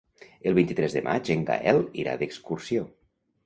El vint-i-tres de maig en Gaël irà d'excursió.